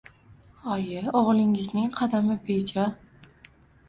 Oyi, o`g`lingizning qadami bejo